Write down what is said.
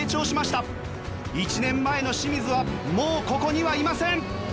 １年前の清水はもうここにはいません。